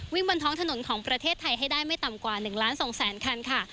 บนท้องถนนของประเทศไทยให้ได้ไม่ต่ำกว่า๑ล้าน๒แสนคันค่ะ